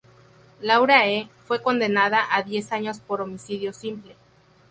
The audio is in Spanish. Laura E. fue condenada a diez años por homicidio simple.